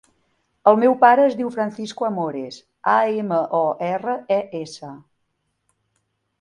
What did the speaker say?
El meu pare es diu Francisco Amores: a, ema, o, erra, e, essa.